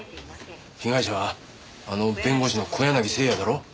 被害者はあの弁護士の小柳征矢だろ？